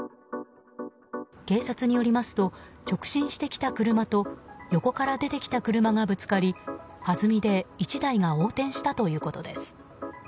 警察によりますと直進してきた車と横から出てきた車がぶつかりはずみで１台が横転したということです。